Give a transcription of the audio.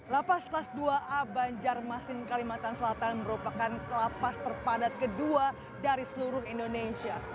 lapas kelas dua a banjarmasin kalimantan selatan merupakan lapas terpadat kedua dari seluruh indonesia